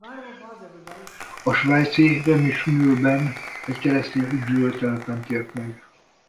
A svájci Remismühle-ben egy keresztény üdülőtelepen tért meg.